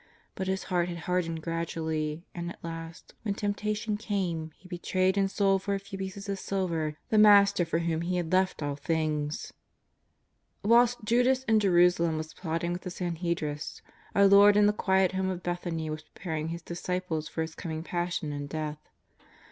But his heart had hardened gradually, and at last, when temptation came, he betrayed and sold for a few pieces of silver the Master for whom he had left all things. Whilst Judas in Jerusalem was plotting with the Sanhedrists, our Lord in the quiet home of Bethany was preparing His disciples for His coming Passion and Death.